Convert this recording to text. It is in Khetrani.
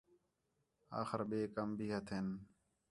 آخر ٻئے کَم بھی ہتھین